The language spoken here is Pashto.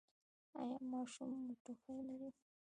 ایا ماشوم مو ټوخی لري؟